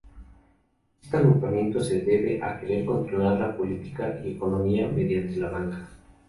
Este agrupamiento se debe a querer controlar la política y economía mediante la banca.